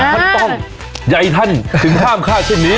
ท่านต้องใหญ่ท่านถึงข้ามข้าวชื่อนี้